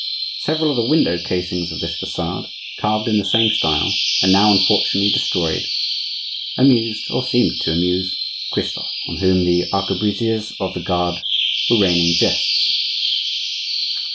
Several of the window casings of this facade, carved in the same style, and now, unfortunately, destroyed, amused, or seemed to amuse Christophe, on whom the arquebusiers of the guard were raining jests.